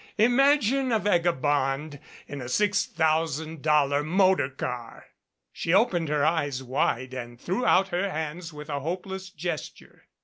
Imagine a vagabond in a six thousand dollar motor car !" She opened her eyes wide and threw out her hands with a hopeless gesture.